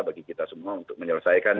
bagi kita semua untuk menyelesaikan